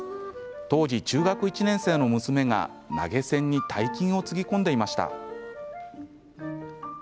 当時中学１年生の娘が投げ銭に大金をつぎ込んでいました。